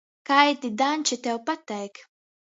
Kaidi daņči tev pateik?